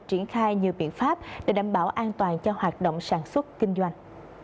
triển khai nhiều biện pháp để đảm bảo an toàn cho hoạt động sản xuất kinh doanh